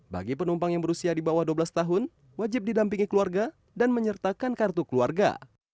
bagi penumpang yang berusia di bawah dua belas tahun wajib didampingi keluarga dan menyertakan kartu keluarga